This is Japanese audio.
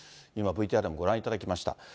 今、ＶＴＲでもご覧いただきました。